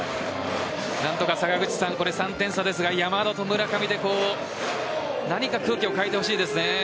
何とかこれ３点差ですが山田と村上で何か空気を変えてほしいですね。